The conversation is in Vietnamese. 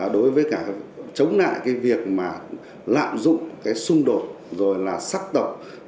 đối với cả chống lại việc lạm dụng xung đột sắc tộc